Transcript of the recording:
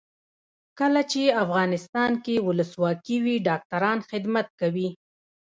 کله چې افغانستان کې ولسواکي وي ډاکټران خدمت کوي.